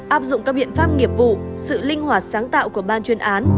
áp dụng các biện pháp nghiệp vụ sự linh hoạt sáng tạo của ban chuyên án